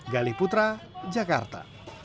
gali putra jakarta